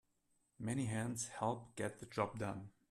Many hands help get the job done.